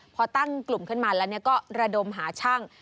พอตั้งกลุ่มขึ้นมาแล้วก็ระดมหาช่าง